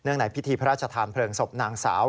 เนื่องไหนพิธีพระราชธาลเผืองศพนางสาว